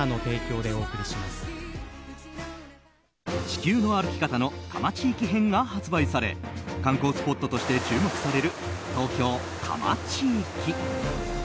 「地球の歩き方」の多摩地域編が発売され観光スポットして注目される東京・多摩地域。